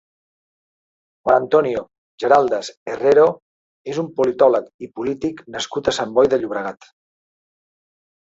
Juan Antonio Geraldes Herrero és un politòleg i polític nascut a Sant Boi de Llobregat.